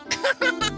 ハハハハ。